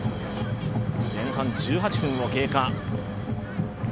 前半１８分を経過。